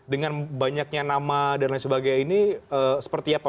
dengan banyaknya nama dan lain sebagainya ini seperti apa